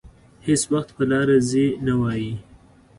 هېڅ وخت په لاره ځي نه وايي.